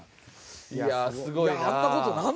いやあすごいな。